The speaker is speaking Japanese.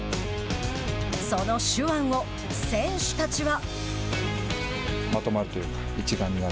その手腕を選手たちは。